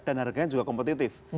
dan harganya juga kompetitif